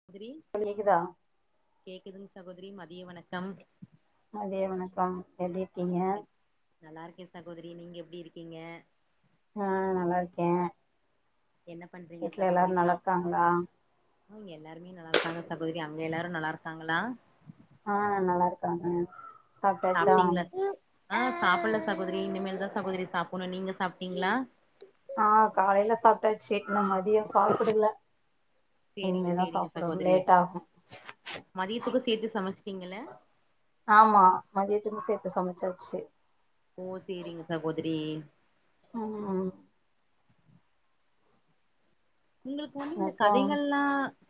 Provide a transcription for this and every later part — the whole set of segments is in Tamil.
[unintelligible] ஹலோ கேக்குதா கேக்குதுங் சகோதரி மதிய வணக்கம் மதிய வணக்கம் எப்டிர்க்கீங்க நல்லாருக்கே சகோதரி நீங்க எப்டி இருக்கீங்க ஆ நல்லா இருக்கே என்ன பண்றீ வீட்ல எல்லாரு நல்லா இருக்காங்களா ம் எல்லாருமே நல்லா இருக்காங்க சகோதரி அங்க எல்லாரு நல்லாருக்காங்களா ஆ நல்லா இருக்காங்க சாப்ட்டாச்சா ஆ சாப்புடுல சகோதரி இனிமேல் தா சகோதரி சாப்டணு நீங்க சாப்டீங்களா ஆ காலைல சாப்டாச்சு இன்னு மதியோ சாப்பிடுல சேரிங்க இனிமேதா சேரிங்க சாப்டனு சகோதரி லேட் ஆகு மதியத்துக்கு சேர்த்து சமைச்டீங்கள ஆமா மதியத்துக்கு சேர்த்து சமைச்சாச்சு ஓ சேரிங்க சகோதரி ம் உங்ளுக்கு வந்து இந்த அப்றோ கதைகள்ல்லா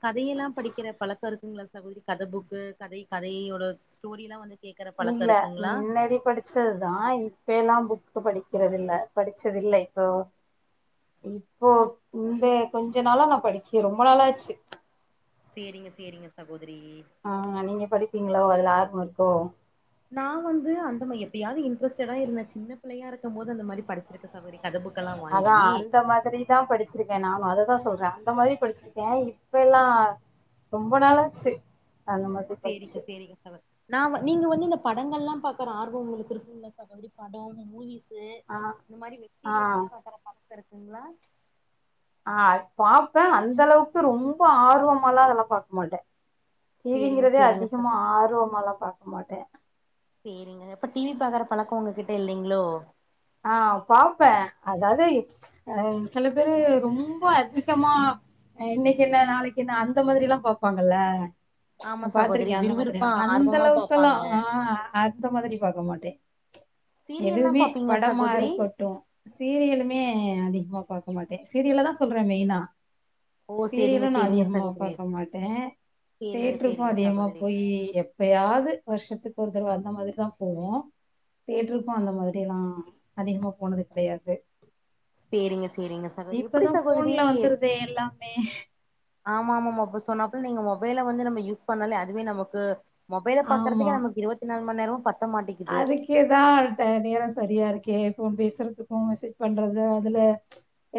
கதையெல்லா படிக்கிற பழக்கோ இருக்குங்களா சகோதரி கத புக்கு கதை கதையோட ஸ்டோரிலா வந்து கேக்குற பழக்கோ இல்ல இருக்குங்ளா முன்னாடி படி படிச்சதுதா இப்பே எல்லா புக்கு படிக்கிறது இல்ல படிச்சதில்லை இப்போ இப்போ இந்த கொஞ்ச நாளா நா படிக்கிற ரொம்ப நாளாச்சு சேரிங்க சேரிங்க சகோதரி ஆ நீங்க படிப்பீங்களோ அதுல ஆர்வோ இருக்கோ நா வந்து அந்த எப்பியாது இன்ட்ரஸ்டா தா இருந்தே சின்ன பிள்ளையா இருக்கும் போது அந்த மாரி படிச்சிருக்கே அப்டி கத புக் எல்லா வாங்கி இந்த மாதிரி தான் படிச்சிருக்கேன் நானும் அததான் சொல்றேன் அந்த மாதிரி படிச்சிருக்கேன் இப்ப எல்லாம் ரொம்ப நாளாச்சு அந்த மாரி சேரிங்க சேரிங்க சவ நா நீங்க வந்து இந்த படங்கள் எல்லாம் பாக்குற ஆர்வம் உங்களுக்கு இருக்குங்களா சகோதரி படம் மூவி ஆ இந்த மாதிரி வெப் ஆ சீரிஸ் எல்லாம் பாக்கூற பழக்கம் இருக்குங்களா ஆ அது பாப்பேன் அந்த அளவுக்கு ரொம்ப ஆர்வமா எல்லாம் பாக்க மாட்டேன் சேரிங்க டிவிங்கிறதே சேரிங்க அதிகமா சகோதரி ஆர்வமா எல்லாம் பாக்க மாட்டேன் சேரிங்க அப்ப டிவி பாக்குற பழக்கம் உங்ககிட்ட இல்லைங்களோ ஆ பாப்பேன் அதாவது அ சில பேரு ரொம்ப அதிகமா இன்னைக்கு என்ன நாளைக்கு என்ன அந்த மாதிரி எல்லாம் பாப்பாங்கல்ல ஆமா சகோதரி பாத்திருக்கேன் அந்த விறுவிறுப்பா மாதிரில்லா அந்த ஆர்வமா அளவுக்கு எல்லாம் பாப்பாங்க ஆ அந்த மாதிரி பாக்க மாட்டேன் சீரியல்லாம் எதுவுமே பாப்பிங்களா படமா சகோதரி இருக்கட்டும், சீரியலுமே அதிகமா பாக்க மாட்டேன் சீரியல்ல தான் சொல்றேன் மெயினா ஓ சேரிங்க சீரியலும் நா சேரிங்க அதிகமா சகோதரி பாக்க மாட்டேன் சேரிங்க தியேட்டருக்கும் சேரிங்க அதிகமா சகோதரி போய் எப்பயாவது வருஷத்துக்கு ஒரு தடவ அந்த மாதிரி தான் போவோம் தியேட்டருக்கும் அந்த மாதிரில்லாம் அதிகமா போனது கிடையாது சேரிங்க சேரிங்க சகோ எப்டி இப்பதான் ஃபோன்ல சகோதரி வந்துருதே எல்லாமே ஆமா ஆமா ஆமா இப்ப சொன்னாப்புல நீங்க மொபைல வந்து நம்ம யூஸ் பண்ணாலே அதுவே நமக்கு மொபைல ஆமா. பாக்குறதுக்கே நமக்கு இருபத்தி நாலு மணி நேரமும் பத்த மாட்டேங்குது இதுக்கே தான் டயம் நேரம் சரியா இருக்கே ஃபோன் பேசுறதுக்கும் மெசேஜ் பண்றது அதுல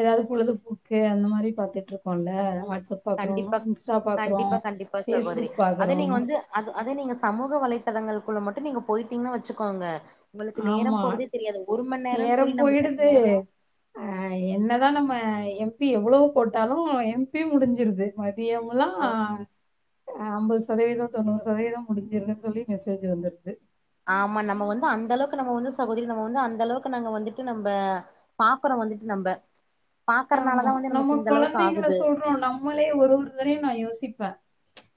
ஏதாவது பொழுதுபோக்கு அந்த மாதிரி பாத்துட்டு இருப்போம்ல வாட்ஸ்அப் பாக்குறோம் கண்டிப்பா இன்ஸ்டா பாக்குறோம் கண்டிப்பா கண்டிப்பா சகோதரி ஃபேஸ்புக் அது பாக்குறோம் நீங்க வந்து அது அதே நீங்க சமூக வலைத்தளங்களுக்குள்ள மட்டும் நீங்க போயிட்டீங்கன் வச்சுக்கோங்க உங்களுக்கு நேரம் ஆமா போறதே தெரியாது ஒரு மண் நேரம்னு சொல்லி நம்ம செத்த நேரம் அ என்னதான் நம்ம எம்பி எவ்வளவு போட்டாலும் எம்பி முடிஞ்சிருது மதியம்லா ஓ அ ஐம்பது சதவீதம் தொண்ணூறு சதவீதம் முடிஞ்சிருதுனு சொல்லி மெசேஜ் வந்துருது ஆமா நம்ம வந்து அந்த அளவுக்கு நம்ம வந்து சகோதரி நம்ப வந்து அந்த அளவுக்கு நாங்க வந்துட்டு நம்ப பாக்குறோ வந்துட்டு நம்ப பாக்குறனால ஆமா தா வந்து நம்ம நமக்கு இந்த அளவுக்கு குழந்தைங்கள ஆகுது சொல்றோம் நம்மளே ஒரு ஒருத்தரையும் நா யோசிப்ப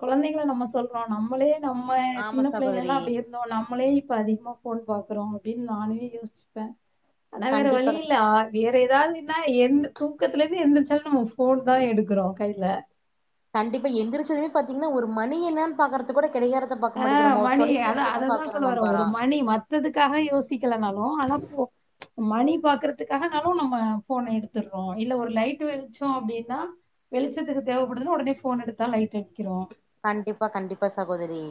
கொழந்தைங்கள நம்ம சொல்றோம் நம்மளே நம்ம ஆமா சின்ன சகோதரி பிள்ளைங்கலெல்லாம் அப்டி இரு ந்தோம் நம்மளே இப்ப அதிகமா ஃபோன் பாக்குறோ அப்டின் நானே யோசிப்பேன் ஆனா வேற வழி கண்டிப்பா இல்ல வேற ஏதாவது இருந்தா எந்து தூக்கத்துல இருந்து எந்திரிச்சாலும் நம்ம ஃபோன் தான் எடுக்குறோம் கைல கண்டிப்பா எந்திரிச்சதுமே பாத்திங்கன்னா ஒரு மணி என்னனு பாக்குறது கூட கடிகாரத்த பாக்க ஆ மாட்டேங்குறோ மணி அதான் தொலைபேசிய தான் அததான் பாக்குறோ சொல்ல வரேன். ஒரு நம்பறம் மணி மத்ததுக்காக யோசிக்கலனாலும் ஆனா ஃபோ மணி பாக்குறதுக்காகனாலும் நம்ம ஃபோன் எடுத்துடுறோம் இல்ல ஒரு லைட் வெளிச்சோம் அப்டின்னா வெளிச்சத்துக்கு தேவ படுதுனு உடனே ஃபோன் எடுத்தா லைட் அடிக்கிறோம் கண்டிப்பா கண்டிப்பா சகோதரி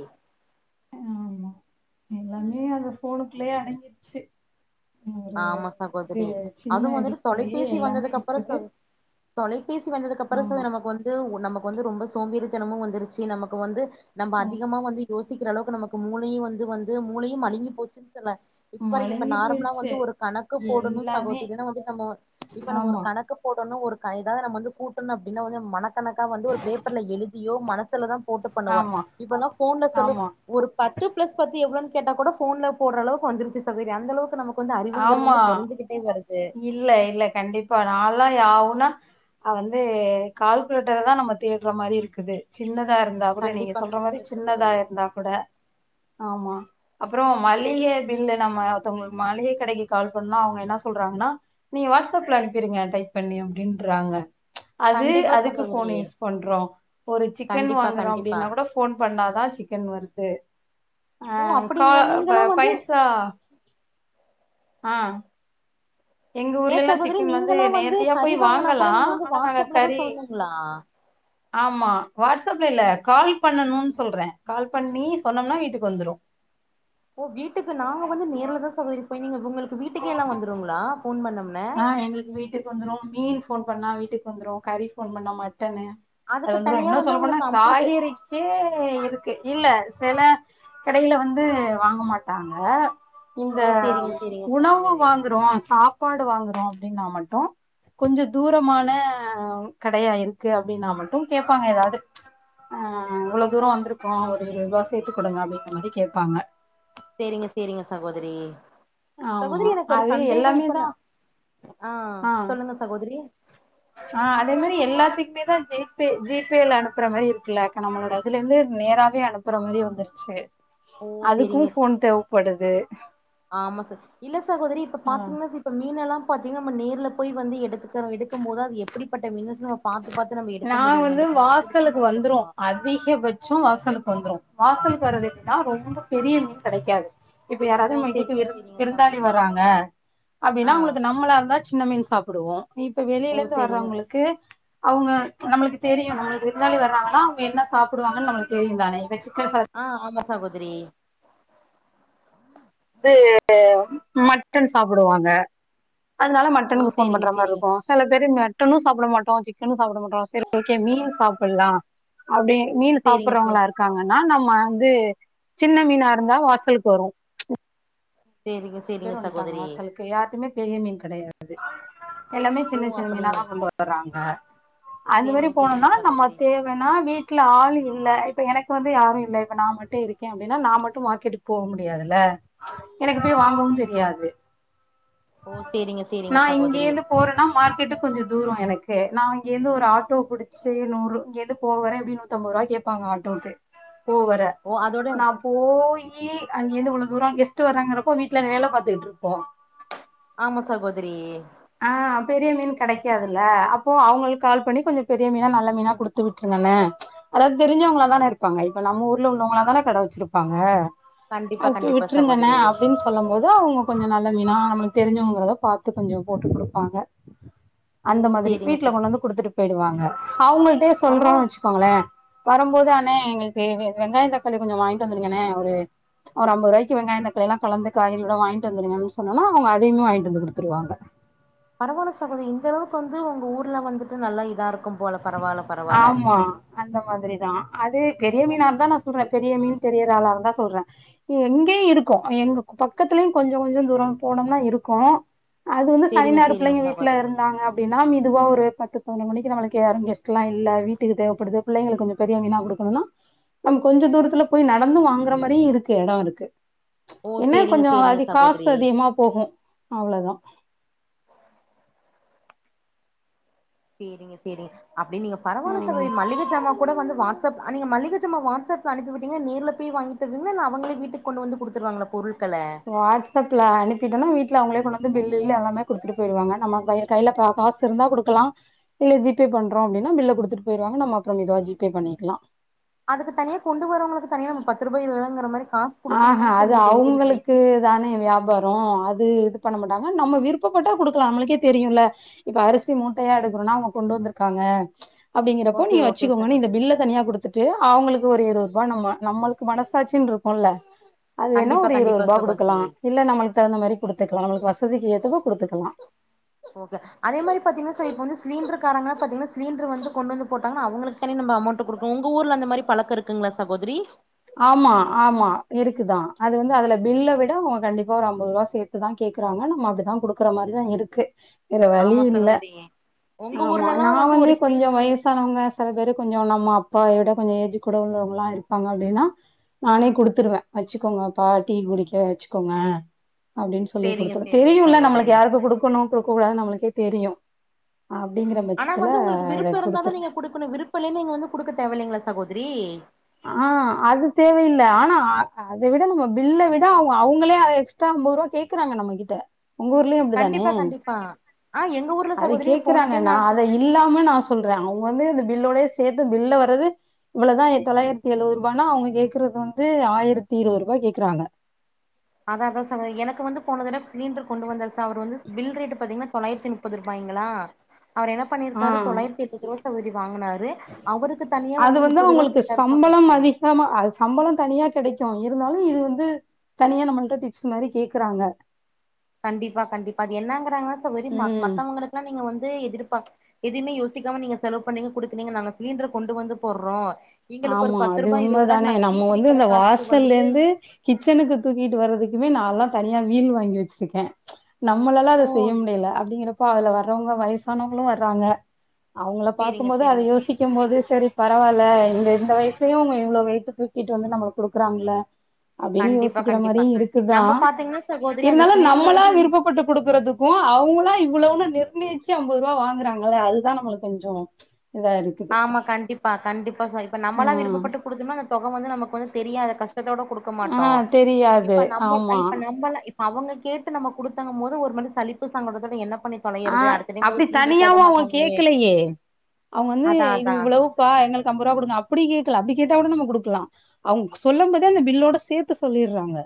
ஆமா. எல்லாமே அந்த ஃபோனுக்குள்ளயே அடங்கிருச்சு ஒரு ஆமா இது சாகோதரி சின்ன அதுவு வந்துட்டு இதுக்குள்ளயே தொலைபேசி எல்லாமே வந்ததுக்கு அப்பறோ இருக்குது. சொல் தொலைபேசி வந்ததுக்கு அப்பறோ ச ஆமா. நமக்கு வந்து நமக்கு வந்து ரொம்ப சோம்பேரி தனமு வந்துருச்சி நமக்கு வந்து நம்ப ம் அதிகமா வந்து யோசிக்கிற அளவுக்கு நமக்கு மூளையு வந்து வந்து மூளையு மளுங்கி போச்சுன்னு சொன்ன மழுங்கி போயிற்ச்சே ஒரு கணக்கு போடணு சகோதரினா வந்து நம்ம இப்ப நம்ம ஒரு ஆமா, கணக்கு போடனு ஒரு கனிதாவது நம்ம வந்து கூட்டணு அப்டின்னா வந்து மனக் கணக்கா வந்து ஒரு பேப்பர்ல எழுதியோ மனசுல தா போட்டு பண்ணுவ ஆமா. இப்பனா ஃபோன்ல சொல்லு ஆமா ஒரு பத்து பிளஸ் பத்து எவ்ளோனு கேட்டா கூட ஃபோன்ல போட்ற அளவுக்கு வந்துரிச்சு சகோதரி அந்தளவுக்கு நமக்கு வந்து அறிவுங்குறது ஆமா. வந்து கொறைஞ்சிகிட்டே வருது இல்ல இல்ல கண்டிப்பா நாலா யா ஊ னா ஆ வந்து கால்குலேட்டர தா நம்ம தேட்ற மாரி இருக்குது சின்னதா இருந் இருந்தா கூட நீங்க கண்டிப்பா சொல்ற மாரி கண்டிப்பா சின்னதா சகோதரி இருந்தா கூட ஆமா அப்றோ மளிகை பில்ல நம்ம மத்தவங்களுக்கு மளிகை கடைக்கு கால் பன்னா அவுங்க என்னா சொல்றாங்கனா நீங்க வாட்ஸ் அப்ல அனுப்பிருங்க டைப் பண்ணி அப்டின்றாங்க அது கண்டிப்பா அதுக்கு ஃபோன் சகோதரி யூஸ் பண்றோ ஒரு சிக்கன் கண்டிப்பா வாங்குறோ கண்டிப்பா அப்டின்னா கூட ஃபோன் பண்ணா தா சிக்கன் வருது து ஆ ஓ கா அப்டிங்களா பை நீங்களா வந்து பைசா ஆ எங்க ஏ ஊர்லெல்லா சகோதரி சிக்கன் வந்து நீங்களா நேரடியா கறி போய் வாங்கனா கூட வாங்கலா நீங்க வந்து ஆனா நாங்க வாட்ஸ்அப்ல தா கறி சொல்ணுங்களா ஆமா வாட்ஸ்அப்ல இல்ல கால் பண்ணணுனுன் சொல்ற கால் பண்ணி சொன்னோம்னா வீட்டுக்கு வந்துரு ஓ வீட்டுக்கு நாங்க வந்து நேர்ல தான் சொல்லிருப்போ நீங்க உங்குளுக்கு வீட்டுக்கே எல்லா வந்துருங்களா ஃபோன் பண்ணம் ஆ எங்குளுக்கு வீட்டுக்கு வந்துரு மீன் ஃபோன் பண்ணா வீட்டுக்கு வந்துரும் கறி ஃபோன் பண்ணா மட்டனு அது அதுக்கு வந்துரு தனியா இன்னு வந்து சொல்ல போனா அவங்களுக்கு அமௌண்ட் காய்கறிக்கே இருக்கு இல்ல சில கடையில வந்து வாங்க மாட்டாங்க இந்த ஓ சேரிங்க சேரிங்க உணவு சகோதரி வாங்குறோ சாப்பாடு வாங்குறோ அப்டின்னா மட்டு கொஞ்சோ தூரமான கடையா இருக்கு அப்டின்னா மட்டு கேப்பாங்க ஏதாவ்து அ இவ்ளோ தூரோ வந்துருக்கோ ஒரு இருவதுரூவா சேத்து குடுங்க அப்டிங்குற மாரி கேப்பாங்க சேரிங்க சேரிங்க சகோதரி ஆமா சகோதரி எனக்கு ஒரு அது சந்தேகொ எல்லாமே இப்ப தா நா அ ஆ சொல்லுங்க சகோதரி ஆ அதே மாரி எல்லாத்துக்குமே தா ஜி பே ஜி பேல அனுப்புற மாரி இருக்குலக்கா நம்மளோட இதுல இருந்து நேராவே அனுப் அனுப்புற மாரியே வந்துருச்சு ஓ அதுக்கு சேரிங்க ஃபோன் தேவப்படுது ஆமா சா இல்ல சகோதரி இப்ப ஆ பாத்தீங்கன்னா ச இப்ப மீனெல்லா பாத்தீங்கனா நம்ம நேர்ல போய் வந்து எடுத்துக்குற எடுக்கும் போது அது எப்டிப்பட்ட மீன் [unintelligible] பாத்து பாத்து நம்ம எடுக்க முடியு வந்துட்டு நமக்கு புடிச்ச மாரி எடுப்போ அதிகபட்சொ வாசலுக்கு வந்துரு வாசல்க்கு வரது எப்டின்னா ரொம்ப பெரிய மீன் கெடைக்காது இப்ப ஓ யாராவ்து நம்ம சேரி வீட்டுக்கு விரு சேரிங்க விருந்தாளி சகோதரி வர்றாங்க ஆ அப்டின்னா உங்ளுக்கு நம்மளாருந்தா சின்ன மீன் சாப்பிடுவோ இப்ப ஓ வெளியில இருந்து சேரிங்க வர்றவுங்களுக்கு அவுங்க நம்மளுக்கு தெரியு நம்மளுக்கு விருந்தாளி வர்றாங்கன்னா ப்ப என்ன சாப்புடுவாங்கன்னு நம்ளுக்கு தெரியும் தானே இப்ப சிக்கன் சா சாப்டுறா [inaudible] சரி அது மட்டன் சாப்டுவாங்க அதனால ஓ மட்டனுக்கு ஃபோன் சேரிங்க பண்ற மாரி சேரிங்க இருக்கூ செல பேரு மட்டனு சாப்ட மாட்டோ சிக்கனு சாப்ட மாட்டோ செரி ஓகே மீனு சாப்பலா அப்டி மீனு சேரிங்க சார் சாப்புறவங்களா இருக் காங்கன்னா நம்ம வந்து சின்ன மீனாருந்தா வாசலுக்கு வரு சேரிங்க பேரு சேரிங்க வந்ட்டாங்க சகோதரி வாசலுக்கு யாருக்குமே பெரிய மீன் கெடையாது எல்லாமே ஓ சின்ன சின்ன மீனா அப்படிங்க தா கொண்டு வர றாங்க அது மாரி சேரிங்க சேரிங்க போனும்னா நம்ம சகோதரி தே வனா வீட்ல ஆள் இல்ல இப்ப எனக்கு வந்து யாரும் இல்ல இப்ப நான் மட்டும் இருக்கேன் அப்டின்னா நான் மட்டும் மார்க்கெட் போ முடியாதில்ல எனக்கு போய் வாங்கவும் தெரியாது ஓ சேரிங்க சேரிங்க சகோதரி போறன்னா மார்க்கெட்டு கொஞ்சோ தூரம் எனக்கு நான் இங்கேந்து ஒரு ஆட்டோ புடிச்சு நூறு இங்கந்து போகவர எப்டியும் நூத் த்தம்பது ரூவா கேப்பாங்க ஆட்டோக்கே போ வர ஓ அதோட போயி அங்கிருந்து இவ்ளோ தூரம் கெஸ்ட் வர்றாங்கிறப்போ வீட்ல வேல பாத்துகிட்டு இருப்போம் ஆமா சகோதிரி ஆ பெரிய மீன் கிடைக்காதுல்ல அப்போ அவங்களுக்கு கால் பண்ணி கொஞ்சோ பெரிய மீனா நல்ல மீனா கொடுத்து விட்ருங்கண்ணே அதாவது தெரிஞ்சவங்களா தானே இருப்பாங்க இப்ப நம்ம ஊர்ல உள்ளவங்களா தானே கட வச்சிருப்பாங்க கண்டிப்பா அப்பி கண்டிப்பா விட்ருங்கண்ணா சகோதரி அப்டின்னு சொல்லும் போது அவங்க கொஞ்சோ நல்ல மீனா நமக்கு தெரிஞ்சுங்கிறத பாத்து கொஞ்சம் போட்டு குடுப்பாங்க ஓ அந்த மாதிரி சேரிங்க வீட்ல சே கொண்டு வந்து குடுத்துட்டு போய்டுவாங்க அவங்கள்டயே சொல்றோம் பரவால்ல வச்சு கோங்களே வரும்போது அண்ணே எங்களுக்கு வெங்காயம் தக்காளி கொஞ்சோ வாங்கிட்டு வந்திருங்கண்ணே ஒரு ஒரு அம்பது ருவாய்க்கி வெங்காயம் தக்காளில்லாம் கலந்து காய்கறிகள் வாங்கிட்டு வந்துங்கன்னு சொன்னனா அவுங்க அதையுமே வாங்கிட்டு வந்து குடுத்துருவாங்க பரவாயில்ல சகோதரி இந்த அளவுக்கு வந்து உங்க ஊர்ல வந்துட்டு நல்லா இதா இருக் க்கும் போல பரவாயில்ல ஆமா அந்த மாதிரிதான் அது பெரிய மீனா உங்க இருந்தா நான் சொல்றாரு பெரிய மீன் தெரிறாலா இருந்தா சொல்றேன் எங்கேயும் இருக்கும் எங்க பக்கத்துலயும் கொஞ்சம் கொஞ்சம் தூரம் போனோம்னா இருக்கும் அது வந்து சனி சேரிங்க ஞாயறு சேரிங்க பிள்ளைங்க வீட்ல சகோதரி இருந்தாங்க அப்டின்னா மிதுவா ஒரு பத்து பதினொரு மணிக்கு நம்ளுக்கு யாரு கெஸ்ட் லாம் இல்ல வீட்டுக்கு தேவைப்படுது பிள்ளைங்களுக்கு கொஞ்சம் பெரிய மீனா குடுக்கணும்னா நம்ம கொஞ்சோ தூரத்துல போய் நடந்து வாங்கற மாரியும் இருக்கு இடம் இருக்கு ஓ என்ன சேரிங்க கொஞ்சம் சேரிங்க அது காசு சகோதரி அதிகமா போகும் அவ்ளோதான் சேரிங்க சேரிங்க அப்டினு நீங்க பரவாயில்ல ம். சகோதரி மளிகை ஜாமான் கூட வந்து வாட்ஸ்அப் நீங்க மளிக ஜமான் வாட்ஸ்அப் அனுப்பிவிட்டீங்க நேர்ல போய் வாங்கிட்டு வருவிங்களா இல்லனா அவங்ளே வீட்டுக்கு கொண்டு வந்து குடுத்துருவாங்களா பொருட்கள வாட்ஸ்அப்ல அனுப்பிட்டோம்னா வீட்ல அவங்களே கொண்டு வந்து பில்லு இல்லு எல்லாமே கொடுத்துட்டு போயிருவாங்க நம்ம கையி கைல க காசு இருந்தா குடுக்கலாம் இல்ல ஜி பே பண்றோம் அப்டினா பில்ல குடுத்துட்டு போயிருவாங்க நம்ம அப்றம் மெதுவா ஜி பே பண்ணிக்கலாம் அதுக்கு தனியா கொண்டு வறவங்களுக்கு தனியா நம் பத்து ருபா இருபது ரூபாய்ங்கற மாரி காசு குடுக்கணும் ஆஹா தான அது சகோதரி டெலிவரி அவுங்களுக்கு பாய்க்கு தானே வியாபாரம் அது இது பண்ண மாட்டாங்க நம்ம விருப்பப்பட்டா குடுக்கலாம் நம்மளுக்கே தெரியும்ல இப்ப அரிசி மூட்டையா எடுக்கணும்னா அவங்க கொண்டு வந்திருக்காங்க அப்டிங்கறப்ப ஓகே நீங்க ஓகே வச்சுக்கோங்கன்னு இந்த சகோதரி பில்ல தனியா கொடுத்துட்டு அவங்களுக்கு ஒரு இருபது ரூபாய் நம்ம நம்மளுக்கு மனசாட்சின்னு இருக்கு ம்ல அது வேணா கண்டிப்பா ஒரு இருபது கண்டிப்பா ரூபாய் குடுக்கலா சகோதரி இல்ல நமக்கு தகுந்த மாரி குடுத்துக்கலாம் நம்மளுக்கு வசதிக்கு ஏத்தப்போ குடுத்துக்கலாம் ஓகே அதே மாரி பாத்தீங்கன்னா இப்ப சிலிண்டர் காரங்க பாத்தீங்கன்னா சிலிண்டர் வந்து கொண்டு வந்து போட்டாங்கன்னா அவுங்களு க்கு நம்ம அமௌண்ட் குடுக்கனும் உங்க ஊர்ல அந்த மாரி பழக்க இருக்குங்களா சகோதரி ஆமா ஆமா இருக்குதா அது வந்து அதுல பில்ல விட அவுங்க கண்டிப்பா ஒரு ஐம்பத்ருவா சேத் இப்டிதா கேக்குறாங்க நம்ம அப்டிதா குடுக்குற மாரிதா இருக்கு வேற வழி ஆமா இல்ல சகோதரி உங்க ஆமா ஊர்லல்லா நா வந்து ஒரு ஸ்டீ கொஞ்ச வயஸ் சானவங்க சில பேர் கொஞ்சோ நம்ம அப்பாயோட கொஞ்ச ஏஜ் கூட உள்ளவங்கலா இருப்பாங்க அப்டின்னா நானே குடுத்துருவே வச்சுக்கோங்கப்பா டீ குடிக்க வச்சுக்கோங்க அப்டின்னு சொல்லி சேரிங்க கொடுத்தது சேரிங்க தெரியுல நம்மளுக்கு சகோதரி யாருக்கு குடுக்கணு குடுக்க கூடாது நம்ளுக்கே தெரியு அப்டிங்கிற பட்சத்துல அத குடுத்துர் இப்ப விருப்பல்ல நீங்க வந்து குடுக்க தேவல்லிங்ளா சகோதரி ஆ அது தேவயில்ல ஆனா அத விட நம்ம பில்ல விட அவங்க அவங்களே எக்ஸ்ட்ரா அம்பத்ருவா கேக்கறாங்க நம்ம கிட்ட உங்க ஊர்லயும் இப்டிதானே கண்டிப்பா கண்டிப்பா ஆ எங்க ஊர்ல அத சகோதரி போன கேக்குறாங்க டைம் நா அத இல்லாம நா சொல்ற அவங்க வந்து இந்த பில்லோடயே சேத்து பில்ல வரது இவ்ளதா தொளாயிரத்தி எழுவருபானா அவங்க கேக்கறது வந்து ஆயிரத்தி இருவருபா கேக்கறாங்க அத அதா சகோத்ரி எனக்கு வந்து போன தட சிலிண்டர் கொண்டு வந்தாரு சார் அவர் வந்து பில் ரேட்டு பாத்தீங்கன்னா தொளாயிரத்தி முப்பது ரூபாய்ங்களா அவர் என்ன ஆ பண்ணிருக்காரு தொளாயிரத்தி [unintelligible] வாங்னாரு அவருக்கு தனியா வந்து முப்பது ருபா கேட்டாரு சகோதரி ஆமா அது சம்பள தனியா கடைக்கு இருந்தாலும் இது வந்து தனியா நம்மட்ட டிப்ஸ் மாரி கேக்கறாங்க கண்டிப்பா கண்டிப்பா அது என்னங்கறாங்கன்னா சகோத்ரி ம். மத்தவங்களுக்லா நீங்க வந்து எதிர்பா எதிமே யோசிக்காம நீங்க செலவ் பண்ணீங்க குடுக்னீங்க நாங்க சிலிண்ட்ரு கொண்டு வந்து போட்றோ ஆமா அது உண்மதானே நம்ம வந்து குடிக்கிற இந்த காசுக்கு வந்துட்டு வாசல்லேந்து கிச்சனுக்கு தூக்கிட்டு வர்றதுக்குமே நா லா தனியா வீல் வாங்கி வச்சிருக்க நம்மளாலா அது ஓ செய்ய முடில அப்டிங்கறப்போ அதுல வர்றவங்க வயசானவங்களு வர்றாங்க அவங்கள சேரிங்க பாக்கும் போது அத சேரிங்க யோசிக்கும் போது சரி பரவால்ல எந்த வயசயும் அவங்க இவ்ளோ வெய்டு தூக்கிட்டு வந்து நம்மளுக் குடுக்கறாங்கல அப்டின்னு கண்டிப்பா யோசிக்கற கண்டிப்பா மாரியு இருக்குதா நம்ம பாத்தீங்கன்னா சகோதரி அந்த இருந்தாலு சிலிண்டர் நம்மளா வந்து விருப்பப்பட்டு குடுக்கறதுக் போ அவங்களா இவ்ளவுன்னு நிர்ணயிச்சு அம்பத் ருவா வாங்குறாங்கல அதுதா நம்மளுக் கொஞ்ச இதா இருக் ஆமா கண்டிப்பா கண்டிப்பா சகோரி இப்ப ஆ நம்மளா விருப்பப்பட்டு குடுத்தம்னா தொக வந்து நமக்கு வந்து தெரியாது கஷ்டத்தோட குடுக்க மாட்டோ ஆ தெரியாது இப்ப நம்ம ஆமா இப்ப நம்பல இப் அவங்க கேட்டு நம்ம குடுத்தங்கபோது ஒரு மணி சலிப்பு சங்கொட என்ன பண்ணி ஆ தொலையறது அடுத்த டைம் அப்டி வந்து சிலிண்டர் போட தனியாவு அவங்க மாட்டாங்களே கேக்லையே அவங்க வந்து அதா இது அதா இவ்ளவு பா எங்ளுக்கு அம்பருவா குடுங்க அப்டி கேக்கல அப்டி கேட்டா கூட நம்ம குடுக்லா அவங்க சொல்லம் போதே அந்த பில்லோட சேத்து சொல்லிற்றாங்க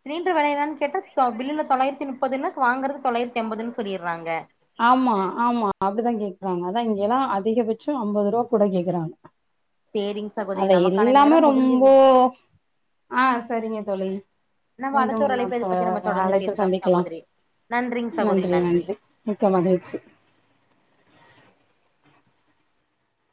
சிலிண்டர் வில என்னானு கேட்ட பில்லுல தொளாயிரத்தி முப்பதுன்ன வாங்குறது தொள்ளாயிரத்தி அம்பதுன்னு சொல்லிற்றாங்க ஆமா ஆமா அப்டிதா கேக்கறாங்க அதா இங்கெல்லா அதிகபட்ச அம்பது ருபா கூட கேக்றாங்க சேரிங் சகோதரி நமக்கான நேர முடிஞ்சுது ரொம்போ ஆ சரிங்க தோழி நம்ம மீண்டும் அடுத்த ஒரு இன்னோ அழைப்புல இத ச பத்தி நம்ம தொடர்ந்து அழைப்பு பேசலாம் சந்திக்கலா சகோதரி நன்றிங்க சகோதரி நன்றி நன்றி மிக்கமகிழ்ச்சி